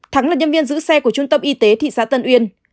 thắng là nhân viên giữ xe của trung tâm y tế thị xã tân uyên